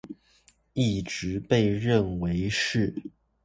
一直被認為是